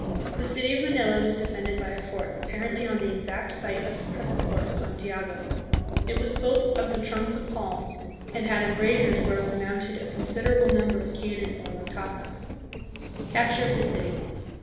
The city of Manila was defended by a fort, apparently on the exact site of the present fort of Santiago. It was built of the trunks of palms, and had embrasures where were mounted a considerable number of cannon, or lantakas. Capture of the City.